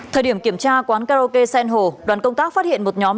thời điểm kiểm tra quán karaoke sen hồ đoàn công tác phát hiện một nhóm